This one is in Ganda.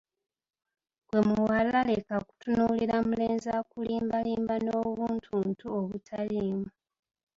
Ggwe muwala leka kutunuulira mulenzi akulimbalimba n'obuntuntu obutaliimu!